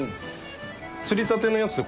釣りたてのやつって